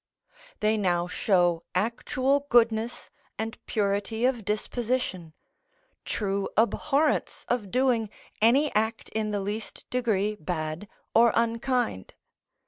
They now show actual goodness and purity of disposition, true abhorrence of doing any act in the least degree bad or unkind.